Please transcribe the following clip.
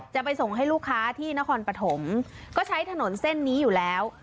จะไปส่งให้ลูกค้าที่นครปฐมก็ใช้ถนนเส้นนี้อยู่แล้ว